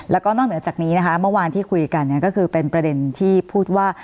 แล้วก็นอกเหนือจากนี้นะคะเมื่อวานที่คุยกันก็คือเป็นประเด็นที่พูดว่า